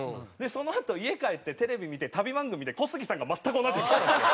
そのあと家帰ってテレビ見て旅番組で小杉さんが全く同じの着てたんですよ。